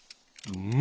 うん。